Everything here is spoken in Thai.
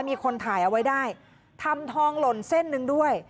มีคนถ่ายเอาไว้ได้ทำทองหล่นเส้นหนึ่งด้วย